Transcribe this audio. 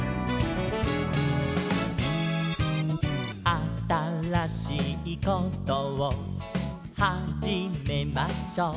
「あたらしいことをはじめましょう」